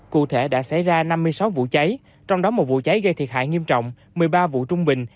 cụ thể đã xảy ra năm mươi sáu vụ cháy trong đó một vụ cháy gây thiệt hại nghiêm trọng một mươi ba vụ trung bình